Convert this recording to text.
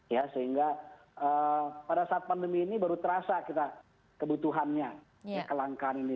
ya sehingga pada saat pandemi ini baru terasa kita kebutuhannya kelangkaan ini